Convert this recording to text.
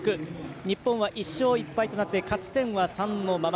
日本は１勝１敗で勝ち点は３のまま。